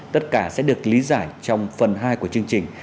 tất cả sẽ được lý giải trong phần hai của chương trình